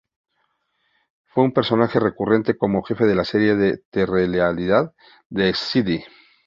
Fue un personaje recurrente como jefe de la serie de telerrealidad The City.